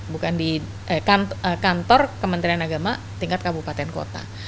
bukan di kantor kementerian agama tingkat kabupaten kota